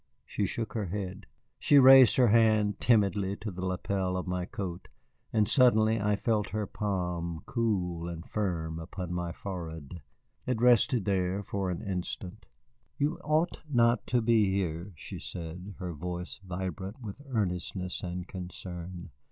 She shook her head. She raised her hand timidly to the lapel of my coat, and suddenly I felt her palm, cool and firm, upon my forehead. It rested there but an instant. "You ought not to be here," she said, her voice vibrant with earnestness and concern.